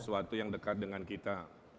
sesuatu yang dekat dengan kita